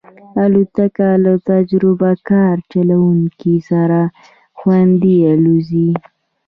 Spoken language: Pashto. الوتکه له تجربهکار چلونکي سره خوندي الوزي.